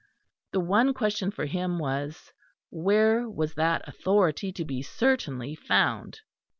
The one question for him was, Where was that authority to be certainly found?